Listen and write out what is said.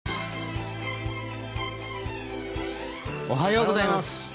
おはようございます。